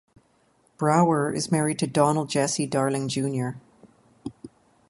Brower is married to Donald Jesse Darling Jr.